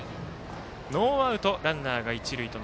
ノーアウト、ランナーが一塁。